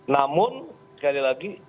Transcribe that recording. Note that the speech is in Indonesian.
namun sekali lagi